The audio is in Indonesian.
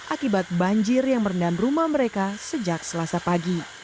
akibat banjir yang merendam rumah mereka sejak selasa pagi